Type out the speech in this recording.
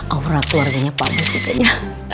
aurat keluarganya bagus kayaknya